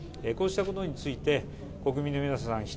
こうしたことについて国民の皆さん